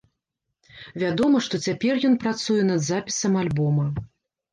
Вядома, што цяпер ён працуе над запісам альбома.